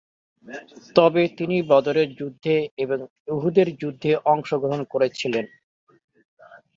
তবে তিনি বদরের যুদ্ধে ও উহুদের যুদ্ধে অংশগ্রহণ করেছিলেন।